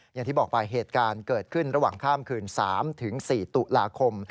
อย่างที่บอกไปเหตุการณ์เกิดขึ้นระหว่างข้ามคืน๓๔ตุลาคม